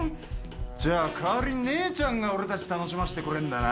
じゃあ代わりに姉ちゃんが俺たち楽しませてくれんだな？